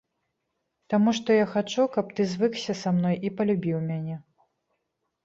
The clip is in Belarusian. Таму што я хачу, каб ты звыкся са мной і палюбіў мяне.